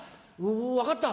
分かった。